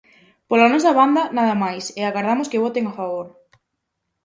Pola nosa banda, nada máis, e agardamos que voten a favor.